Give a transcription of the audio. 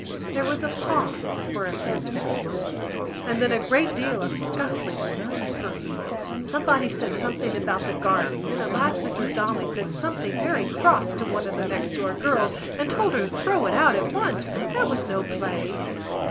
There was a pause for a few seconds; and then a great deal of scuffling and whispering. Somebody said something about the garden, and at last Mrs Donnelly said something very cross to one of the next door girls and told her to throw it out at once: that was no play.